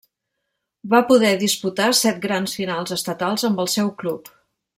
Va poder disputar set grans finals estatals amb el seu club.